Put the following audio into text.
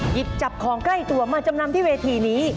หยิบจับของใกล้ตัวมาจำนำที่เวทีนี้